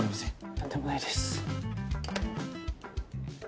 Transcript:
何でもないです。